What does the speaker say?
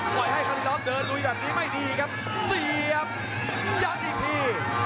ปล่อยให้คารินอฟเดินลุยแบบนี้ไม่ดีครับเสียบยัดอีกที